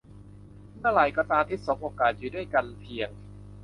เมื่อไรก็ตามที่สบโอกาสอยู่ด้วยกันเพียง